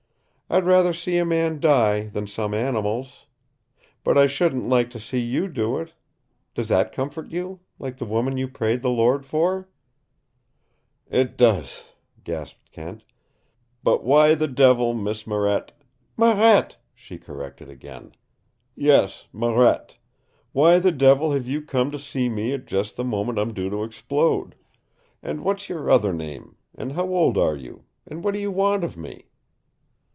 I'd rather see a man die than some animals. But I shouldn't like to see YOU do it. Does that comfort you like the woman you prayed the Lord for?" "It does," gasped Kent. "But why the devil, Miss Marette " "Marette," she corrected again. "Yes, Marette why the devil have you come to see me at just the moment I'm due to explode? And what's your other name, and how old are you, and what do you want of me?"